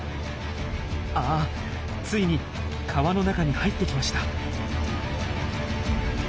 あついに川の中に入ってきました。